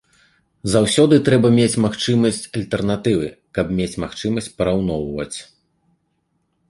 Заўсёды трэба мець магчымасць альтэрнатывы, каб мець магчымасць параўноўваць.